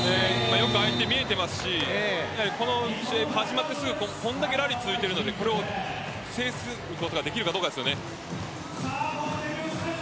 よく相手、見えていますしこれだけラリー続いているのでこれを制することができるかどうかですよね。